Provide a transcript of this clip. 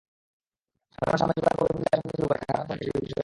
সাধারণ সামাজিকতার পরিপন্থী আচরণ থেকে শুরু করে খারাপ আচরণ করে থাকে শিশু-কিশোরেরা।